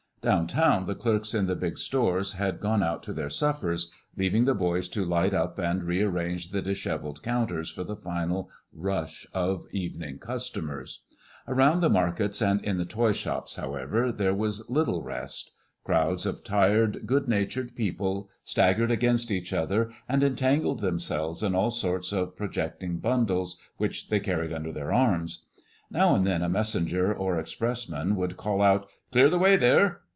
Down town the clerks in the big stores had gone out to their suppers, leaving the boys to light up and rearrange the disheveled counters for the final rush of evening customers. Around the markets and in the toy shops, however, there was little rest. Crowds of tired, good natured people staggered against each other and entangled themselves in all sorts of projecting bundles which they carried under their arms. Now and then a messenger or expressman would call out, "Clear the way there!"